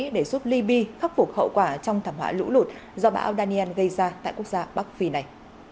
để giúp liby khắc phục hậu quả trong thảm họa lũ lụt do bão au daniel gây ra tại quốc gia bắc phi này